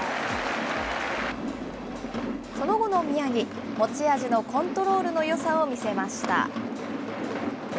その後の宮城、持ち味のコントロールのよさを見せました。